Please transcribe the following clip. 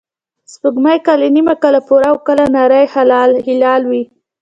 سپوږمۍ کله نیمه، کله پوره، او کله نری هلال وي